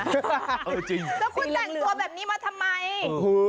แต่คุณแต่งตัวแบบนี้มาทำไม